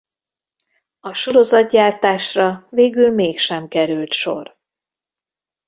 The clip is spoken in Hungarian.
A sorozatgyártásra végül mégsem került sor.